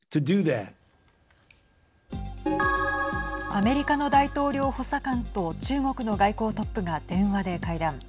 アメリカの大統領補佐官と中国の外交トップが電話で会談。